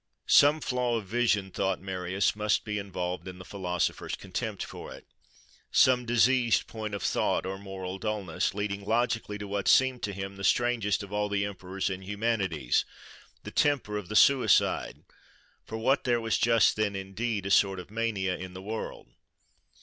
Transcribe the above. Some flaw of vision, thought Marius, must be involved in the philosopher's contempt for it—some diseased point of thought, or moral dulness, leading logically to what seemed to him the strangest of all the emperor's inhumanities, the temper of the suicide; for which there was just then, indeed, a sort of mania in the world.